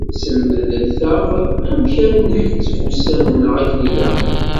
Sselmed-aɣ amek ara nḥetteb ussan-nneɣ akken ilaq.